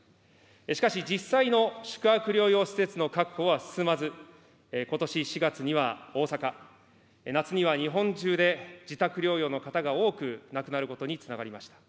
しかし、実際の宿泊療養施設の確保は進まず、ことし４月には大阪、夏には日本中で、自宅療養の方が多く亡くなることにつながりました。